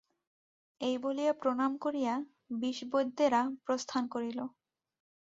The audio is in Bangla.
এই বলিয়া প্রণাম করিয়া বিষবৈদ্যেরা প্রস্থান করিল।